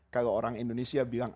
kalau orang indonesia bilang